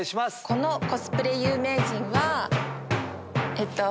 このコスプレ有名人は。